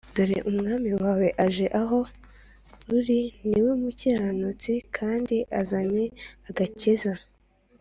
‘dore umwami wawe aje aho uri ni we mukiranutsi kandi azanye agakiza!’